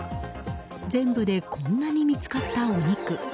全部でこんなに見つかったお肉。